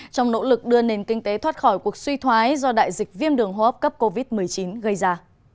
trong nỗ lực đưa nền kinh tế thoát khỏi cuộc suy thoái do đại dịch viêm đường hô hấp cấp covid một mươi chín gây ra